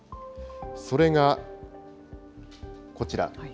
それがこちら。